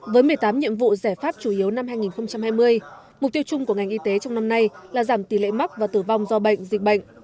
với một mươi tám nhiệm vụ giải pháp chủ yếu năm hai nghìn hai mươi mục tiêu chung của ngành y tế trong năm nay là giảm tỷ lệ mắc và tử vong do bệnh dịch bệnh